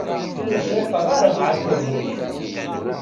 Ur cṛiqeɣ ara ɛad tawwurt.